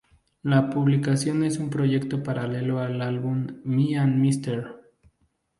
La publicación es un proyecto paralelo al álbum "Me and Mr.